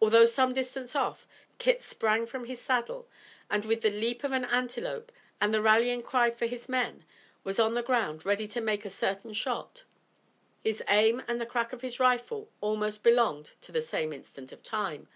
Although some distance off, Kit sprang from his saddle, and, with the leap of an antelope and the rallying cry for his men, was on the ground, ready to make a certain shot. His aim and the crack of his rifle almost belonged to the same instant of time.